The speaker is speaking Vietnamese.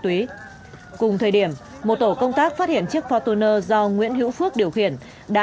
nguyễn hữu phước đã bỏ lại một tổ công tác phát hiện chiếc fortuner do nguyễn hữu phước điều khiển